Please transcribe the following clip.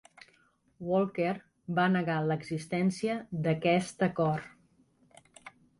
Walker va negar l'existència d'aquest acord.